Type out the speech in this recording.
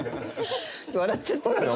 笑っちゃったよね。